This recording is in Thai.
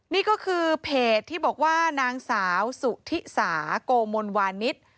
นี่ก็คือเพจที่บอกว่านางสาวสุธิสาโกมลวานิส